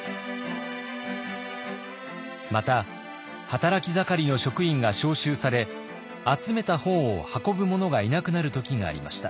また働き盛りの職員が召集され集めた本を運ぶ者がいなくなる時がありました。